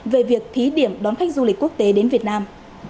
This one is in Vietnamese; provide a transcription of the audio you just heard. về việc thí điểm đón khách du lịch quốc tế đến việt nam